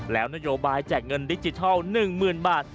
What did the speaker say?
แล้วนโยบายแจกเงินดิจิทัล๑๐๐๐บาท